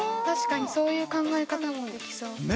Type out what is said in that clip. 確かにそういう考え方もできそう。